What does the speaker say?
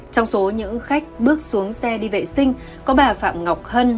trong số những khách bước xuống xe đi vệ sinh có bà phạm ngọc hân